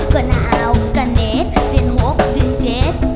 ก็หนาวกะเน็ตเดือนหกเดือนเจ็ด